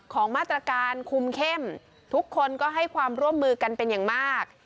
ของมาตรการคุมเข้มทุกคนก็ให้ความร่วมมือกันเป็นอย่างมาก